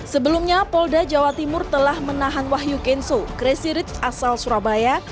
sebelumnya polda jawa timur telah menahan wahyu kenso cracey rich asal surabaya